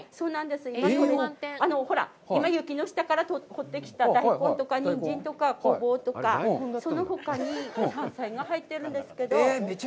ほら、今、雪の下からとってきた大根とか、ニンジンとかゴボウとかそのほかにも入ってるんですけど。